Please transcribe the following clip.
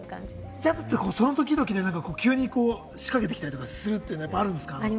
ジャズってその時々で急に仕掛けてきたりするというのはあるんですか？